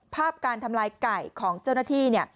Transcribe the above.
ภาพการทำลายไก่ของเจ้าหน้าที่